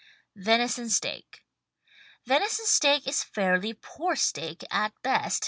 VENISON STEAK Venison steak is fairly poor steak at best.